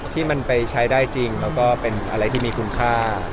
ที่มันไปใช้ได้จริงแล้วก็เป็นอะไรที่มีคุณค่า